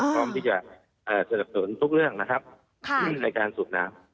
พร้อมที่จะสนับสนุนทุกเรื่องนะครับในการสูบน้ำ